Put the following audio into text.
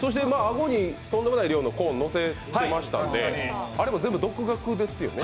顎にとんでもないコーンを載せてましたので、あれも全部独学ですよね？